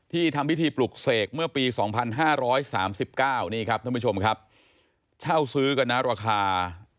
ทำพิธีปลุกเสกเมื่อปี๒๕๓๙นี่ครับท่านผู้ชมครับเช่าซื้อกันนะราคา